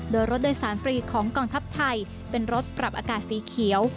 โดยรถโดยสารฟรีของกองทัพไทยเป็นรถปรับอากาศสีเขียว